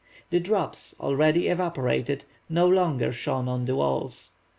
The drops, already evaporated, no longer shone on the walls.